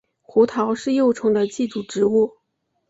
胡桃是幼虫的寄主植物。